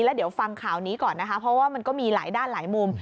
แล้วเดี๋ยวฟังข่าวนี้ก่อนนะคะเพราะว่ามันก็มีหลายด้านหลายมุม